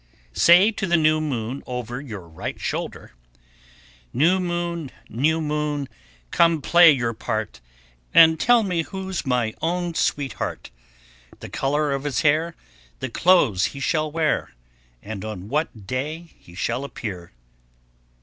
_ 1084. Say to the new moon over your right shoulder, New moon, new moon.[TN 9] come play your part, And tell me who's my own sweetheart; The color of his hair, the clothes he shall wear, And on what day he shall appear.